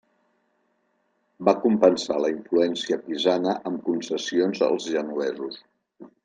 Va compensar la influència pisana amb concessions als genovesos.